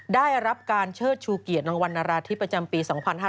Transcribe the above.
ได้รับการเชิดชูเกียรติรางวัลนาราธิประจำปี๒๕๕๙